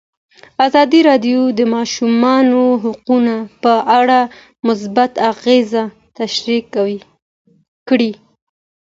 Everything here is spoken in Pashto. ازادي راډیو د د ماشومانو حقونه په اړه مثبت اغېزې تشریح کړي.